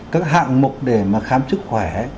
các hạng mục để mà khám sức khỏe